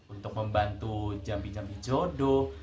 untuk membantu jampi jampi jodoh